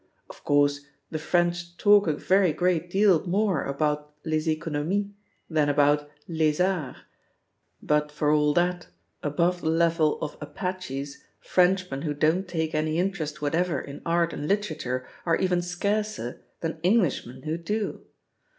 Of course the French talk a very great deal more about les economies than about les arts, but for all that, above the level of apaches. Frenchmen who don't take any interest whatever in art and literatiu'e are even scarcer than Englishmen who do.